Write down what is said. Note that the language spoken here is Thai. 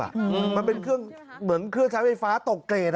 อ่ะอืมมันเป็นเครื่องเหมือนเครือใช้ไฟฟ้าตกเกจ